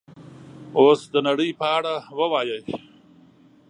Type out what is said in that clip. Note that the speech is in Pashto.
اوس د نړۍ په اړه ووایئ